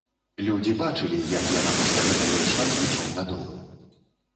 Людзі бачылі, як яна пасля гэтага ішла з дзіцем дадому.